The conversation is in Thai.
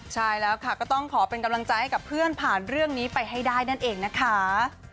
ใช่แล้วค่ะก็ต้องขอเป็นกำลังใจให้กับเพื่อนผ่านเรื่องนี้ไปให้ได้นั่นเองนะคะ